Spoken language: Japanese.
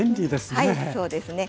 はいそうですね。